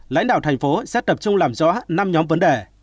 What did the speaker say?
lãnh đạo thành phố sẽ tập trung làm rõ năm nhóm vấn đề